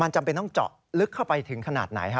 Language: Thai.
จำเป็นต้องเจาะลึกเข้าไปถึงขนาดไหนฮะ